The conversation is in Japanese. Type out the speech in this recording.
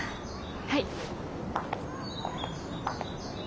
はい。